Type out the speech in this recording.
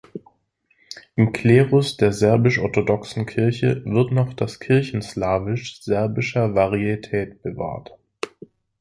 Im Klerus der serbisch-orthodoxen Kirche wird noch das Kirchenslawisch serbischer Varietät bewahrt.